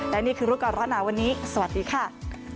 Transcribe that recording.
และนี่คือรู้ก่อนร้อนหนาวันนี้สวัสดีค่ะ